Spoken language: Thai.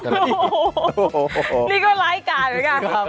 โอ้โฮนี่ก็ร้ายการเหรอครับ